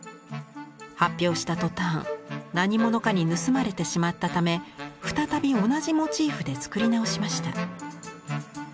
発表した途端何者かに盗まれてしまったため再び同じモチーフで作り直しました。